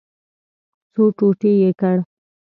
څو ټوټې یې کړ.